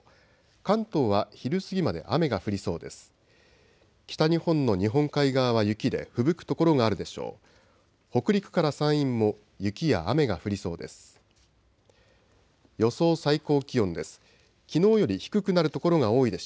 関東は昼過ぎまで雨が降りそうです。